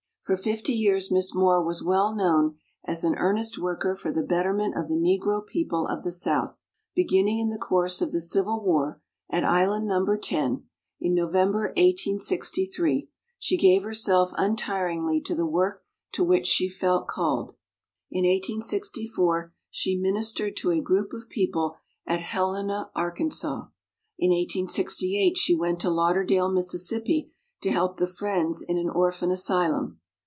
For fifty years Miss Moore was well known as an earnest worker for the betterment of the Negro people of the South. Beginning in the course of the Civil War, at Island No. 10, in November, 1863, she gave herself un tiringly to the work to which she felt called. In 1864 she ministered to a group of people at Helena, Arkansas. In 1868 she went to Lauderdale, Mississippi, to help the Friends in an orphan asylum.